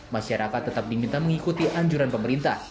masyarakat tetap diminta mengikuti anjuran pemerintah